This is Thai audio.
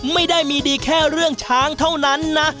ไม่ได้มีดีแค่เรื่องช้างเท่านั้นนะ